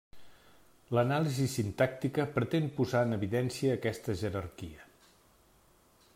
L'anàlisi sintàctica pretén posar en evidència aquesta jerarquia.